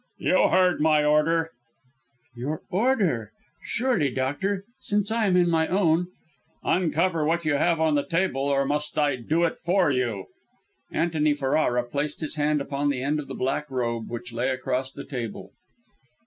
"You heard my order!" "Your order! Surely, doctor, since I am in my own " "Uncover what you have on the table. Or must I do so for you!" Antony Ferrara placed his hand upon the end of the black robe which lay across the table.